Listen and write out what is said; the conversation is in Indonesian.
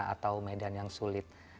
atau medan yang sulit